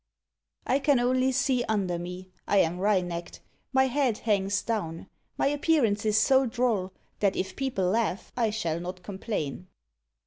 "I can only see under me; I am wry necked; my head hangs down; my appearance is so droll, that if people laugh, I shall not complain."